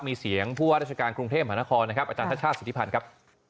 มีเสียงผู้ว่าราชการกรุงเทพมหานครนะครับอาจารย์ชาติชาติสิทธิพันธ์ครับ